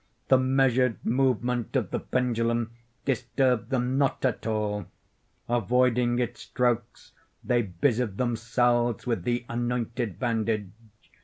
The measured movement of the pendulum disturbed them not at all. Avoiding its strokes they busied themselves with the anointed bandage.